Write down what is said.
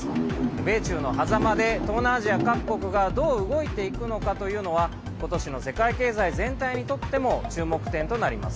米中のはざまで東南アジア各国がどう動いていくのかというのは今年の世界経済全体にとっても注目点となります。